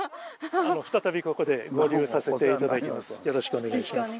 再びここで合流させて頂きます。